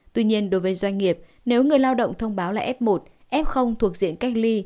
tuy nhiên đối với doanh nghiệp nếu người lao động thông báo là f một f thuộc diện cách ly